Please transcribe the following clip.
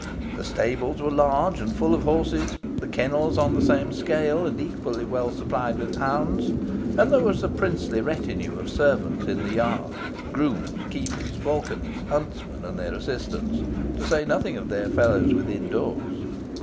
The stables were large, and full of horses; the kennels on the same scale, and equally well supplied with hounds; and there was a princely retinue of servants in the yard grooms, keepers, falconers, huntsmen, and their assistants to say nothing of their fellows within doors.